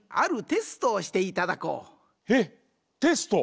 えっテスト？